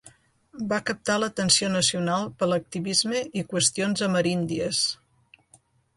Va captar l'atenció nacional per a l'activisme i qüestions ameríndies.